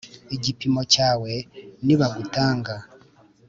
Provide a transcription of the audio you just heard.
igipimo cyawe nibagutanga